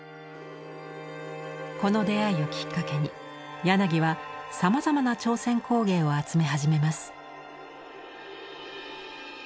この出会いをきっかけに柳はさまざまな朝鮮工芸を集め始めます。